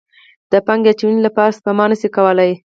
د پانګې اچونې لپاره سپما نه شي کولی.